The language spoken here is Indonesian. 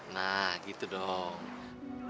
nah gitu dong